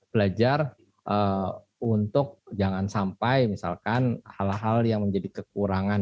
belajar untuk jangan sampai misalkan hal hal yang menjadi kekurangan